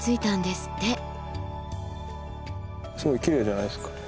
すごいきれいじゃないですか。